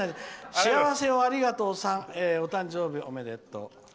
幸せをありがとうさんお誕生日おめでとう。